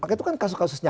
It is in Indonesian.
itu kan kasus kasusnya